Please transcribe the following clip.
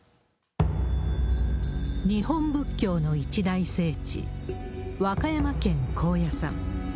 日本仏教の一大聖地、和歌山県高野山。